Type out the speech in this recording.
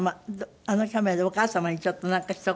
あのカメラでお母様にちょっとなんかひと言。